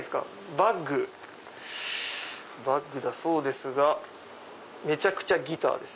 バッグだそうですがめちゃくちゃギターです。